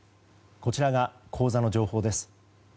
こちらが口座の情報です。